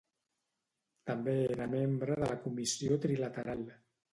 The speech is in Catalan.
També era membre de la Comissió Trilateral.